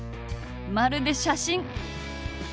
まるで写真！